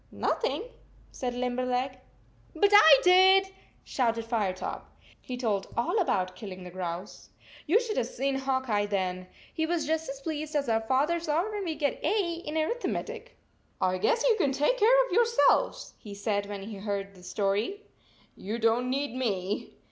" Nothing," said Limberleg. 4< But I did," shouted Firetop. He told all about killing the grouse. You should have seen Hawk Eye then! He was just as pleased as our fathers are when we get A in arithmetic !" I guess you can take care of your selves," he said, when he had heard the story. "You don t need me."